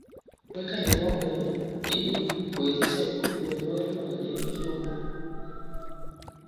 weka limao kwenye ili kuwezesha ufyonzwaji wa madini chuma